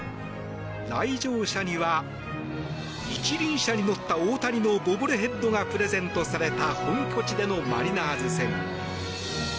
来場者には一輪車に乗った大谷のボブルヘッドがプレゼントされた本拠地でのマリナーズ戦。